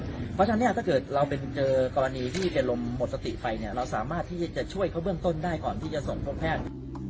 เพราะฉะนั้นเนี่ยถ้าเกิดเราเป็นเจอกรณีที่เป็นลมหมดสติไปเนี่ยเราสามารถที่จะช่วยเขาเบื้องต้นได้ก่อนที่จะส่งพบแพทย์